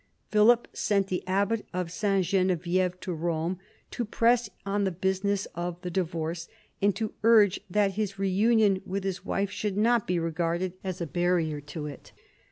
Philip sent the abbat of S. Genevieve to Rome to press on the business of the divorce, and to urge that his reunion with his wife should not be regarded as a barrier to it.